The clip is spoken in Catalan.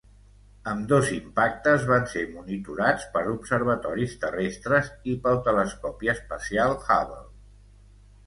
Ambdós impactes van ser monitorats per observatoris terrestres i pel Telescopi espacial Hubble.